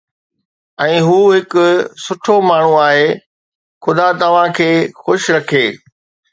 ۽ هو هڪ سٺو ماڻهو آهي، خدا توهان کي خوش رکي